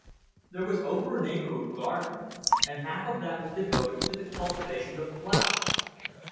There was over an acre of garden, and half of that was devoted to the cultivation of flowers.